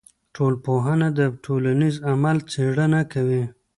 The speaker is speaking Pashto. ټولنپوهنه د ټولنیز عمل څېړنه کوي.